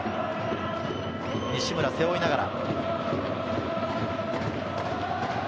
西村、背負いながら。